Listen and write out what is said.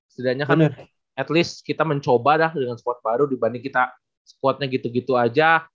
setidaknya kan at least kita mencoba dah dengan squad baru dibanding kita squadnya gitu gitu aja